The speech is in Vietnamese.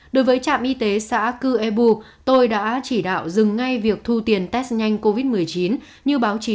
đối với trạm y tế xã cư ebu tôi đã chỉ đạo dừng ngay việc thu tiền test nhanh covid một mươi chín như báo chí